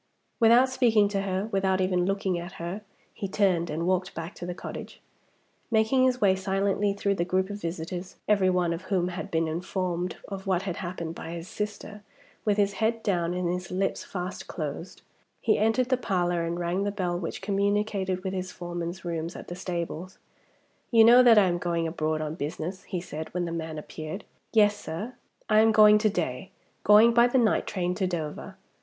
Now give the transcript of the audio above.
Without speaking to her, without even looking at her, he turned and walked back to the cottage. Making his way silently through the group of visitors every one of whom had been informed of what had happened by his sister with his head down and his lips fast closed, he entered the parlor and rang the bell which communicated with his foreman's rooms at the stables. "You know that I am going abroad on business?" he said, when the man appeared. "Yes, sir." "I am going to day going by the night train to Dover.